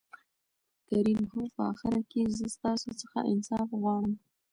کريم : هو په آخر کې زه ستاسو څخه انصاف غواړم.